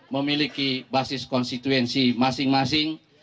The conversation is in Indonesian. memiliki basis konstituensi masing masing